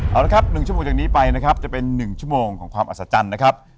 เอาละครับ๑ชั่วโมงจากนี้ไปนะครับจะเป็น๑ชั่วโมงของความอัศจรรย์นะครับ